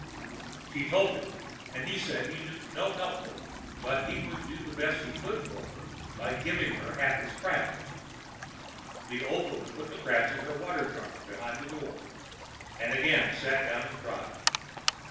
She told him, and he said he knew no help for her, but he would do the best he could for her by giving her half his crabs. The old woman put the crabs in her water jar, behind her door, and again sat down and cried.